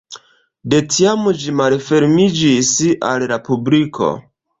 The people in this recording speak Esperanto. De tiam ĝi malfermiĝis al la publiko.